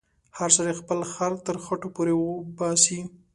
هر سړی خپل خر تر خټو پورې باسې.